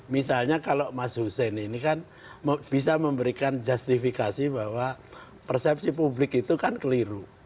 misalnya kalau mas hussein ini kan bisa memberikan justifikasi bahwa persepsi publik itu kan keliru